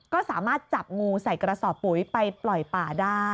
ก็สามารถจับงูใส่กระสอบปุ๋ยไปปล่อยป่าได้